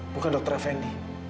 bukan dokter fnd